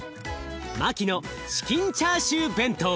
マキのチキンチャーシュー弁当。